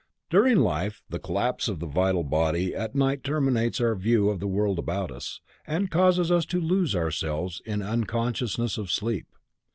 _ During life the collapse of the vital body at night terminates our view of the world about us, and causes us to lose ourselves in unconsciousness of sleep.